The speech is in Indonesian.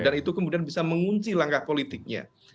dan itu kemudian bisa mengunci langkah politiknya